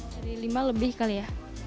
dari lima lebih kali ya